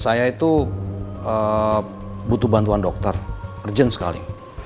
saya itu butuh bantuan dokter urgent sekali